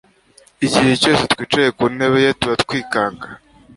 igihe cyose twicaye ku ntebe ye tuba twikanga